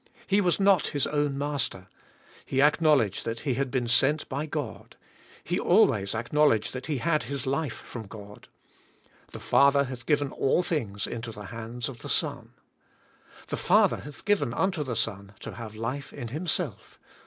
He was not His own master. He acknowledged that He had been sent by God. He always acknowledged that He had His life from God. The Father hath 146 THE SPIRITUAL LIFE. given all thing s into the hands of the Son. The Father hath given unto the Son to have life in Him self.